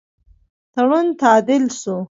تړون تعدیل سو.